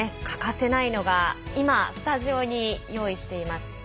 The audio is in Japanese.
欠かせないのが今スタジオに用意しています